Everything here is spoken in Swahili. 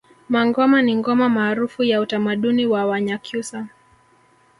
Mangoma ni ngoma maarufu ya utamaduni wa Wanyakyusa